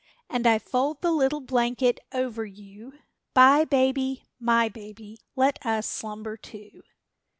And I fold the little blanket over you; Bye baby, my baby, let us slumber too.